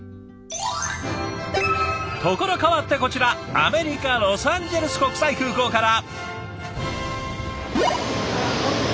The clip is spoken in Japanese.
ところ変わってこちらアメリカロサンゼルス国際空港から。